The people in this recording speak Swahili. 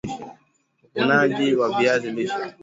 uvunaji wa viazi lishe